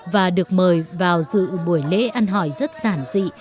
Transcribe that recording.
và được mời vào dự buổi lễ ăn hỏi rất giản dị